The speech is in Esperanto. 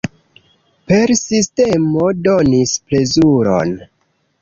Persistemo donis plezuron!